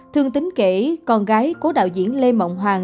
thương tính kể con gái của đạo diễn lê mộng hoàng